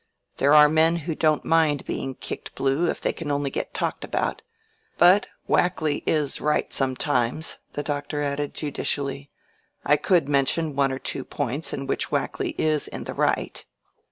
There are men who don't mind about being kicked blue if they can only get talked about. But Wakley is right sometimes," the Doctor added, judicially. "I could mention one or two points in which Wakley is in the right."